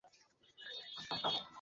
বিল্বন ভয় দেখাইয়া তাহাদিগকে বিরত করিলেন।